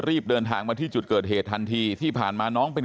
รีบเดินทางมาที่จุดเกิดเหตุทันทีที่ผ่านมาน้องเป็น